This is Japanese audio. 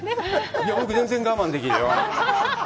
僕、全然我慢できるよ！